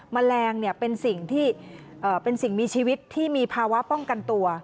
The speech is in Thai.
แมลงเป็นสิ่งที่เป็นสิ่งมีชีวิตที่มีภาวะป้องกันตัว